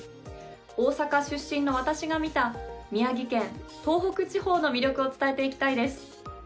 大阪出身の私が見た宮城県東北地方の魅力を伝えていきたいです。